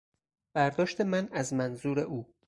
برداشت من از منظور او